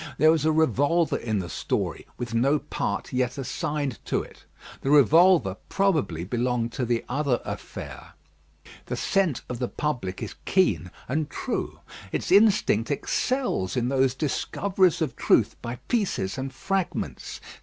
There was a revolver in the story, with no part yet assigned to it. The revolver, probably, belonged to the other affair. The scent of the public is keen and true. Its instinct excels in those discoveries of truth by pieces and fragments.